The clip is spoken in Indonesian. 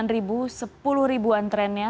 delapan ribu sepuluh ribuan trennya